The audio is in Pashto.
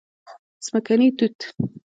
🍓ځمکني توت